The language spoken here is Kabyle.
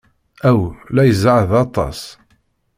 Aw, la izeɛɛeḍ aṭas!